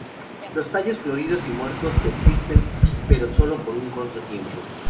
Los tallos floridos y muertos persisten, pero solo por un corto tiempo.